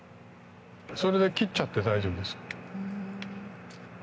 それで切っちゃって大丈夫です。